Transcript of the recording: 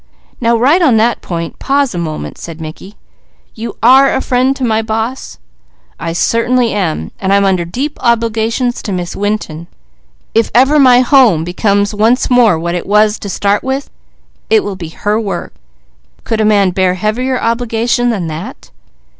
"Now right on that point, pause a moment," said Mickey. "You are a friend to my boss?" "I certainly am, and I'm under deep obligations to Miss Winton. If ever my home becomes once more what it was to start with, it will be her work. Could a man bear heavier obligation than that?"